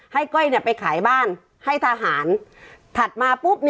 ให้ก้อยเนี่ยไปขายบ้านให้ทหารถัดมาปุ๊บเนี่ย